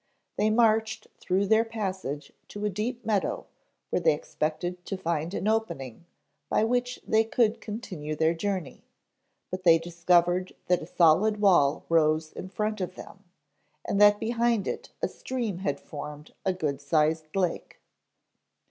They marched through their passage to a deep meadow where they expected to find an opening by which they could continue their journey, but they discovered that a solid wall rose in front of them and that behind it a stream had formed a good sized lake.